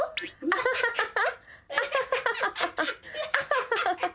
アハハハハハ。